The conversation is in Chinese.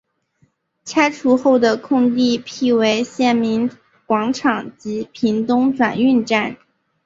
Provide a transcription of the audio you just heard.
拆除后的空地辟为县民广场及屏东转运站。